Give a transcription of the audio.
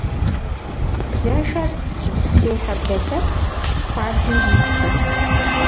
Блэшэр щхъухьзехьэ блэ лъэпкъщ, хуабжьу зидзу.